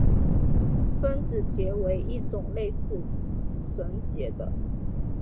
分子结为一种类似绳结的。